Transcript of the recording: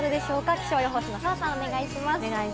気象予報士の澤さん、お願いします。